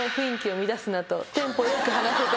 テンポよく話せと。